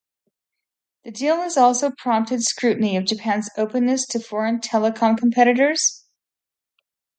The deal also prompted scrutiny of Japan's openness to foreign telecom competitors.